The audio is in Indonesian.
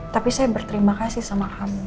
tapi saya berterima kasih sama kamu